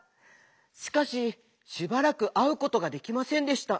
しかししばらくあうことができませんでした。